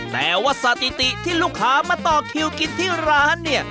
แต่ว่าสถิติที่ลูกค้ามาต่อคิวกินที่ร้านเนี่ย